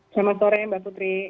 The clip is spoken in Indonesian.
selamat sore mbak putri